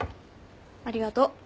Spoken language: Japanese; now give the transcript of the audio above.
ありがとう。